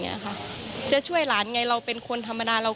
ก็ไม่อยากให้มันเกิดขึ้นกับครอบครัวคนอื่น